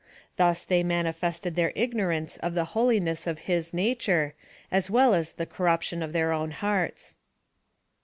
Thus they manifested their ignorance of the holiness of his nature, as well as the corruption of their own hearts.